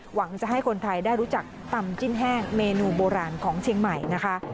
หวังจะให้คนไทยได้รู้จักตำจิ้นแห้งเมนูโบราณของเชียงใหม่นะคะ